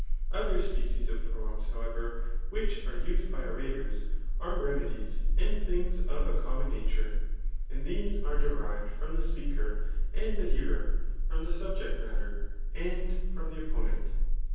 Other species of proems, however, which are used by orators, are remedies, and things of a common nature. And these are derived from the speaker ami the hearer, from the subject matter, and from the oppo * nent.